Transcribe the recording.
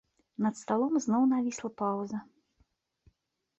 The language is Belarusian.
Над сталом зноў навісла паўза.